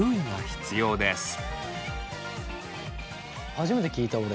初めて聞いた俺。